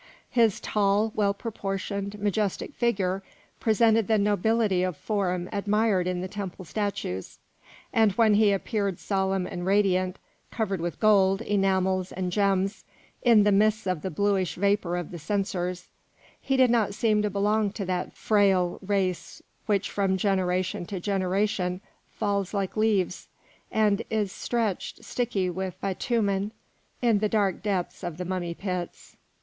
His tall, well proportioned, majestic figure presented the nobility of form admired in the temple statues; and when he appeared solemn and radiant, covered with gold, enamels, and gems, in the midst of the bluish vapour of the censers, he did not seem to belong to that frail race which from generation to generation falls like leaves, and is stretched, sticky with bitumen, in the dark depths of the mummy pits.